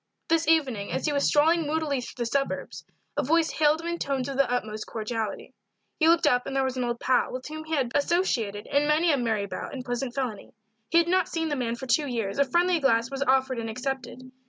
This evening, as he was strolling moodily through the suburbs, a voice hailed him in tones of the utmost cordiality. He looked up and there was an old pal, with whom he had been associated in many a merry bout and pleasant felony; he had not seen the man for two years; a friendly glass was offered and accepted.